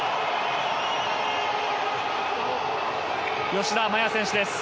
吉田麻也選手です。